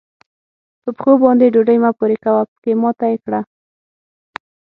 په پښو باندې ډوډۍ مه پورې کوه؛ پکې ماته يې کړه.